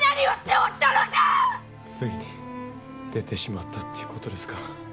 ついに出てしまったということですか。